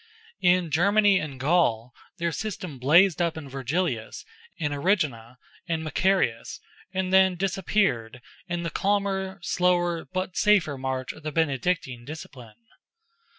In Germany and Gaul, their system blazed up in Virgilius, in Erigena, and Macarius, and then disappeared in the calmer, slower, but safer march of the Benedictine discipline.